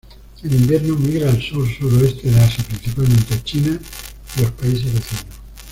En invierno migra al sur-sureste de Asia, principalmente a China y los países vecinos.